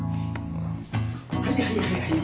はいはいはいはい。